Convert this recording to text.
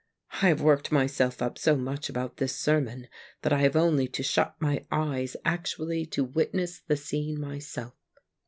... I have worked myself up so much about this sei mouj that I have only to shut my eyes actually to witness the scene myself.